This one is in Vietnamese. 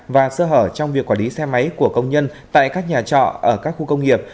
và sơ hở trong việc quản lý xe máy của công nhân tại các nhà trọ ở các khu công nghiệp